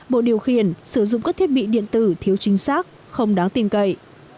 bộ điều khiển sử dụng các thiết bị điện tử thiếu chính xác không đáng tin cậy